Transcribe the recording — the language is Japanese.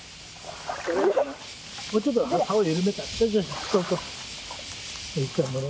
もうちょっとさおを緩めたら？